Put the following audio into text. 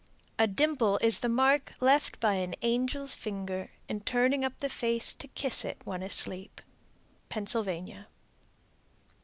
A dimple is the mark left by the angel's finger in turning up the face to kiss it when asleep. _Pennsylvania.